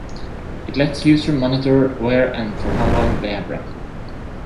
It lets users monitor where and for how long they have run.